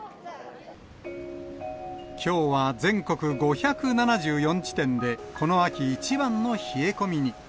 きょうは全国５７４地点で、この秋一番の冷え込みに。